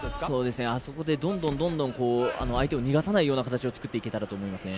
あそこでどんどん相手を逃がさない形を作っていけたらと思います。